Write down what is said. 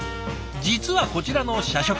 実はこちらの社食